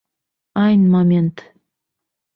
Айн момент!